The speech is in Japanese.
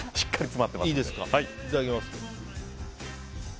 いただきます。